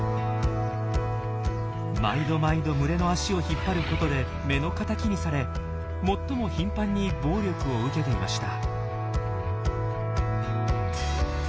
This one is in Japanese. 毎度毎度群れの足を引っ張ることで目の敵にされ最も頻繁に暴力を受けていました。